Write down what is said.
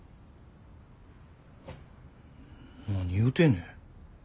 何言うてんねん。